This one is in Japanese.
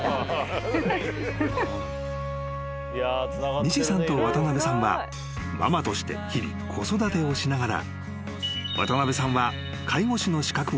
［西さんと渡辺さんはママとして日々子育てをしながら］